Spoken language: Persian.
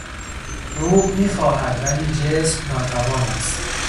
روح میخواهد ولی جسم ناتوان است.